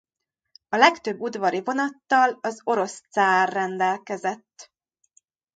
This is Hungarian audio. A legtöbb udvari vonattal az orosz cár rendelkezett.